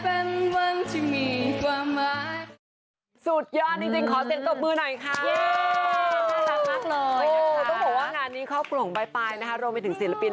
ต้องบอกว่างานนี้ครอบครัวของปลายรวมไปถึงศิลปิน